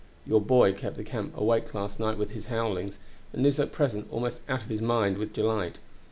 Your boy kept the camp awake last night with his howlings, and is at present almost out of his mind with delight.